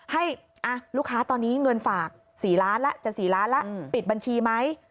ให้ลูกค้าตอนนี้เงินฝาก๔ล้านแล้วจะ๔ล้านแล้วปิดบัญชีไหม